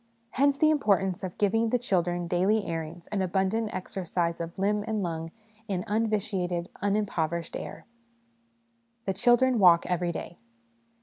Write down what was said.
Hence the import ance of giving the children daily airings and abundant exercise of limb and lung in unvitiated, unimpover ished air. The Children Walk every Day.